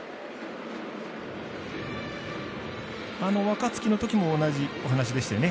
若月の時も同じお話でしたよね。